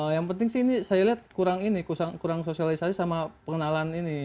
yang penting sih ini saya lihat kurang ini kurang sosialisasi sama pengenalan ini